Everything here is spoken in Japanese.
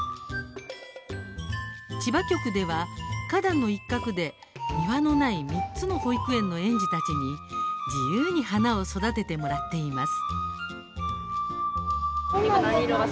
千葉局では花壇の一角で庭のない３つの保育園の園児たちに自由に花を育ててもらっています。